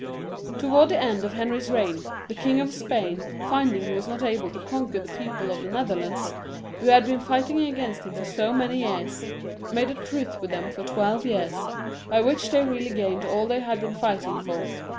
Towards the end of Henry's reign, the King of Spain, finding he was not able to conquer the people of the Netherlands^ who had been fighting against him for so many years, made a truce with them for twelve years, by which they really gained all that they had been fighting for.